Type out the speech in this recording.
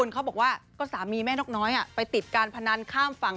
เขาบอกว่าก็สามีแม่นกน้อยไปติดการพนันข้ามฝั่ง